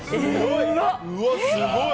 うわ、すごい。